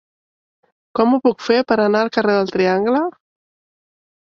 Com ho puc fer per anar al carrer del Triangle?